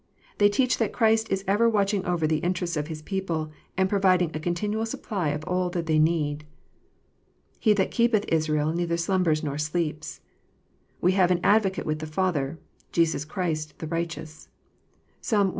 They teach that Christ is ever watching over the interests of His people, and providing a continual supply of all that they need. " He that keepeth Israel neither slumbers nor sleeps." " We have an Advocate with the Father, Jesus Christ, the righteous." (Psalm cxxi.